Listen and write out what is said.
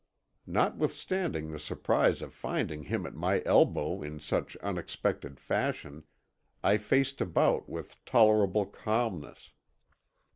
Notwithstanding the surprise of finding him at my elbow in such unexpected fashion, I faced about with tolerable calmness.